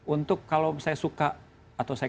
untuk kalau saya suka atau saya